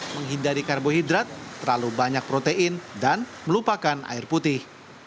menghindari karbohidrat terlalu banyak protein dan melupakan air putih